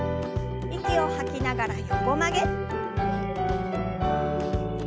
息を吐きながら横曲げ。